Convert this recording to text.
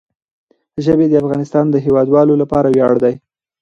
ژبې د افغانستان د هیوادوالو لپاره ویاړ دی.